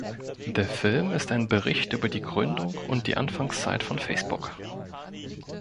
Der Film ist ein Bericht über die Gründung und die Anfangszeit von Facebook.